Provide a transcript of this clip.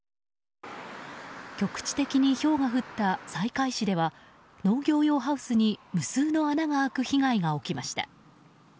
局地的にひょうが降った西海市では農業用ハウスに無数の穴が開く被害が起きました。